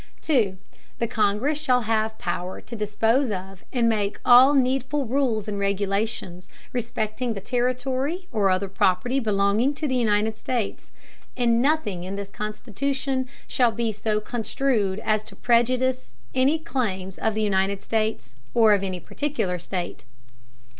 The Congress shall have Power to dispose of and make all needful Rules and Regulations respecting the Territory or other Property belonging to the United States; and nothing in this Constitution shall be so construed as to Prejudice any Claims of the United States, or of any particular State.